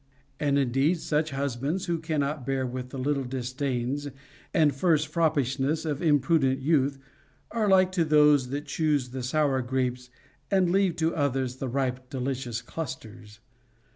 And in deed such husbands who cannot bear with the little disdains and first froppislmess of imprudent youth are like to those that choose the sour grapes and leave to others the ripe delicious clusters.